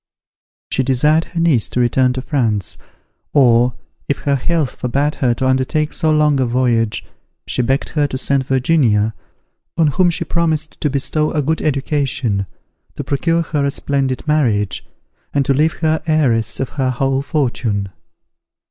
She desired her niece to return to France: or, if her health forbade her to undertake so long a voyage, she begged her to send Virginia, on whom she promised to bestow a good education, to procure for her a splendid marriage, and to leave her heiress of her whole fortune.